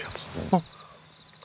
あっ。